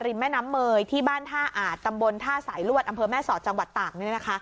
แม่น้ำเมยที่บ้านท่าอาจตำบลท่าสายลวดอำเภอแม่สอดจังหวัดตาก